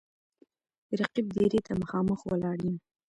د رقیب دېرې ته مـــخامخ ولاړ یـــم